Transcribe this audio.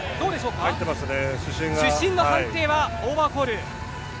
主審の判定はオーバーコール。